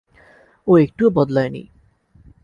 ও একটুও বদলায়নি।